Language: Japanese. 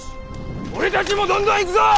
俺たちもどんどん行くぞ！